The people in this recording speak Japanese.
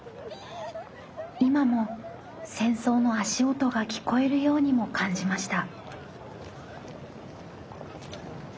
今も戦争の足音が聴こえるようにも感じました。